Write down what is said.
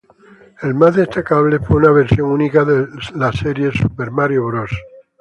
El más destacable fue una versión única de la serie Super Mario Bros.